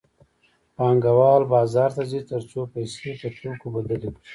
پانګوال بازار ته ځي تر څو پیسې په توکو بدلې کړي